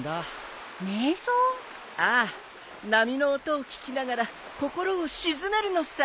ああ波の音を聴きながら心を静めるのさ。